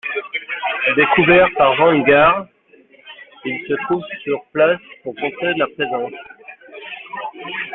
Découvert par Vanguard, il se trouve sur place pour contrer la Présence.